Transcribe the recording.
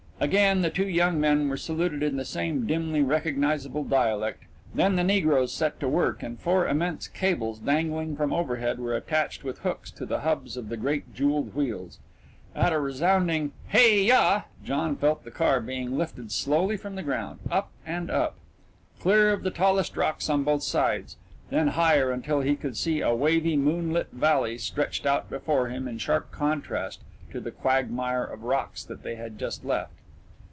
Again the two young men were saluted in the same dimly recognisable dialect; then the negroes set to work and four immense cables dangling from overhead were attached with hooks to the hubs of the great jewelled wheels. At a resounding "Hey yah!" John felt the car being lifted slowly from the ground up and up clear of the tallest rocks on both sides then higher, until he could see a wavy, moonlit valley stretched out before him in sharp contrast to the quagmire of rocks that they had just left.